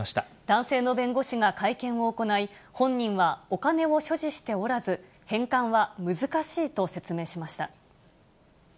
男性の弁護士が会見を行い、本人はお金を所持しておらず、返還は難しいと説明しました。